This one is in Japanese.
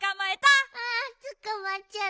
あつかまっちゃった。